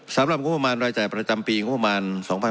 สำหรับงบประมาณรายจ่ายประจำปีงบประมาณ๒๕๖๒